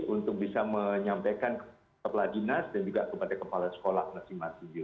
untuk bisa menyampaikan kepala dinas dan juga kepada kepala sekolah masing masing